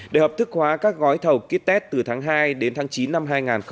để hợp thức hóa các gói thầu kýt test từ tháng hai đến tháng chín năm hai nghìn hai mươi